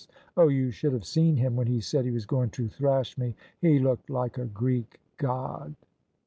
Oh, you should have seen him when he said he was going to thrash me; he looked like a Greek god!"